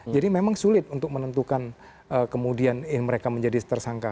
jadi memang sulit untuk menentukan kemudian mereka menjadi tersangka